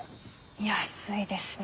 安いですね。